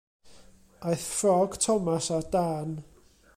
Aeth ffrog Thomas ar dân.